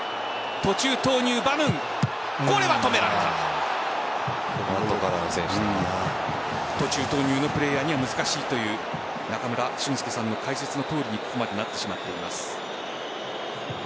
途中投入の選手には難しいという中村俊輔さんの解説のとおりにここまでなってしまっています。